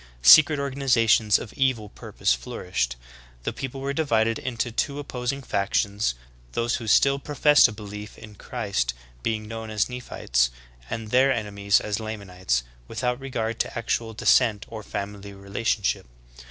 Secret organizations of evil pur pose ^flourished ;^ the people were divided into two opposing factions, those who still professed a belief in Christ being known as Nephites and their enemies as Lamanites. without regard to actual descent or family relationship.